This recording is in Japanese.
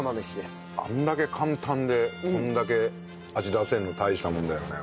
これだけ簡単でこれだけ味出せるの大したもんだよね。